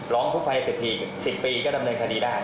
ร้องทุกข์ภายในอายุ๑๐ปีก็ดำเนินคดีได้